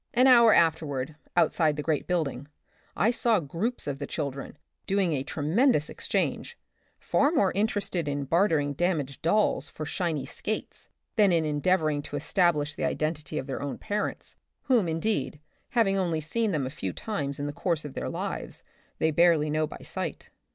An hour afterward, outside the great building, I saw groups of the children doing a tremendous exchange, far more inter ested in bartering damaged dolls for shining skates than in endeavoring to establish the identity of their own parents, whom, indeed, having only seen a few times in the course of their lives, they barely know by sight.